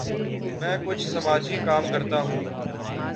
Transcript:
میں کچھ سماجی کام کرتا ہوں۔